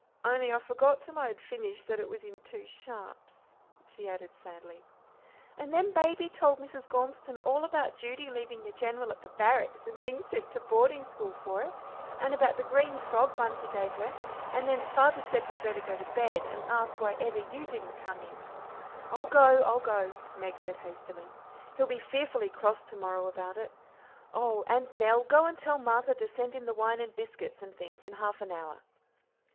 Only I forgot till I had finished that it was in two sharps," she added sadly. "And then Baby told Mrs. Gormeston all about Judy leaving the General at the Barracks, and being sent to boarding school for it, and about the green frog Bunty gave her, and, then Father said we'd better go to bed, and asked why ever you didn't come in." "I'll go, I'll go," Meg said hastily, "he'll be fearfully cross to morrow about it. Oh! and, Nell, go and tell Martha to send in the wine and biscuits and things in half an hour."